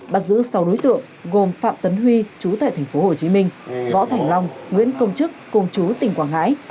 bắt giữ sáu đối tượng gồm phạm tấn huy chú tại tp hcm võ thành long nguyễn công chức công chú tỉnh quảng ngãi